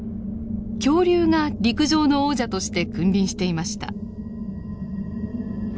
恐竜が陸上の王者として君臨していました。